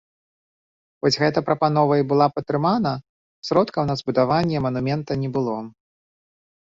Хоць гэта прапанова і было падтрымана, сродкаў на збудаванне манумента не было.